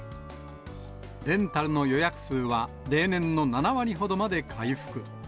レンタルの予約数は、例年の７割ほどまで回復。